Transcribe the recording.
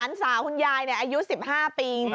อันสารของยายเนี่ยอายุ๑๕ปีจริง